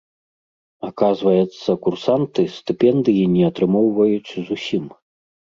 Аказваецца, курсанты стыпендыі не атрымоўваюць зусім.